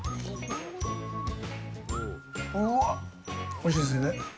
おいしいですよね？